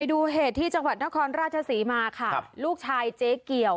ดูเหตุที่จังหวัดนครราชศรีมาค่ะลูกชายเจ๊เกี่ยว